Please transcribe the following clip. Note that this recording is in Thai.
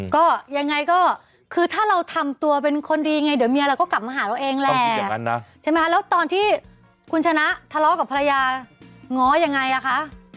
ก็ยังไงก็คือถ้าเราทำตัวเป็นคนดีไงเดี๋ยวเมียเราก็กลับมาหาเราเองแหละใช่ไหมคะแล้วตอนที่คุณชนะทะเลาะกับภรรยาง้อยังไงอ่ะคะ